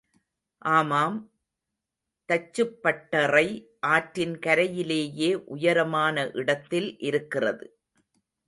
ஆமாம், தச்சுப்பட்டறை ஆற்றின் கரையிலேயே உயரமான இடத்தில் இருக்கிறது.